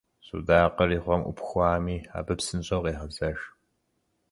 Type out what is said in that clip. Судакъыр и гъуэм Ӏупхуами, абы псынщӀэу къегъэзэж.